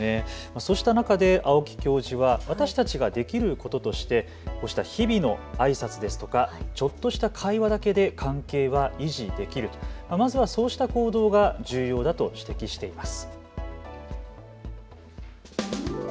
そうした中で青木教授は私たちができることとしてこうした日々のあいさつですとかちょっとした会話だけで関係は維持できると、まずはそうした行動が重要だと指摘しています。